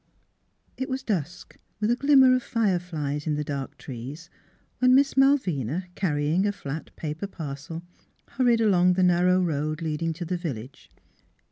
..." It was dusk, with a glimmer of fire flies in the dark trees, when Miss Malvina, carrying a flat paper parcel, hurried along the narrow road leading to the village.